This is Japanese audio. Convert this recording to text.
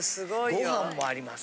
ご飯もあります。